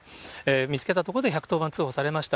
見つけたとこで１１０番通報されました。